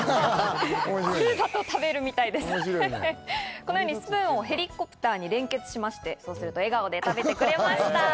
このようにスプーンをヘリコプターに連結すると喜んで食べてくれました。